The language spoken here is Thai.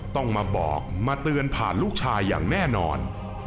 ต้องมาบอกมาเตือนผ่านลูกชายอย่างแน่นอน